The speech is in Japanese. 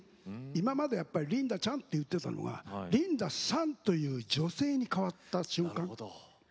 今までリンダちゃんと言っていたのがリンダさんという女性に変わった瞬間。